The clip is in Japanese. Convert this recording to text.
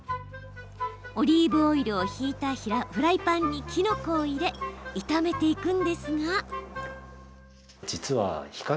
オリーブオイルを引いたフライパンにきのこを入れ炒めていくんですが。